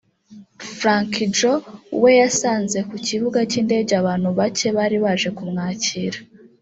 Frankie Joe we yasanze ku kibuga cy’indege abantu bake bari baje kumwakira